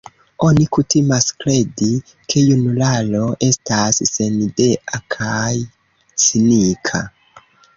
Oni kutimas kredi, ke junularo estas senidea kaj cinika.